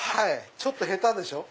ちょっと下手でしょ。